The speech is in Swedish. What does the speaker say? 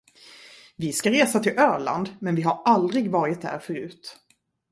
Vi ska resa till Öland, men vi har aldrig varit där förut.